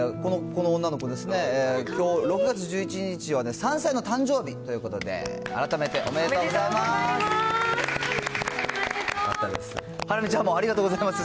この女の子ですね、きょう６月１１日は３歳の誕生日ということで、改めて、おめでとうございおめでとうございます。